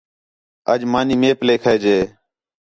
اَڄ مانی مے پے کھیے جے